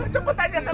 cepetan ya sam